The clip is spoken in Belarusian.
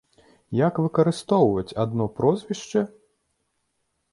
Як выкарыстоўваць адно прозвішча?